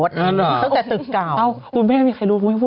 สวัสดีค่ะข้าวใส่ไข่สดใหม่เยอะสวัสดีค่ะ